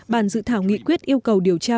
bàn dự thảo nghị quyết yêu cầu điều tra